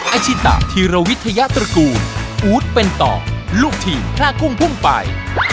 อาชิตะธีรวิทยาตระกูลอู๊ดเป็นต่อลูกทีมพลากุ้งพุ่งไป